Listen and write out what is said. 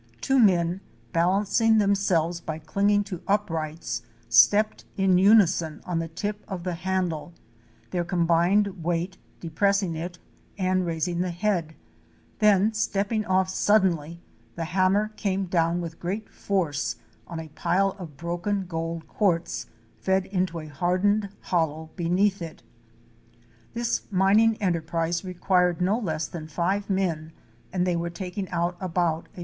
'Two men, balancing themselves by clinging to uprights, stepped in unison on the tip of the handle, their combined weight de pressing it and raising the head; then stepping off suddenly the hammer came down with great force on a pile of broken gold quartz, fed into a hardened hollow beneath it. This mining enterprise required no less than five men, and they were taking out about $1.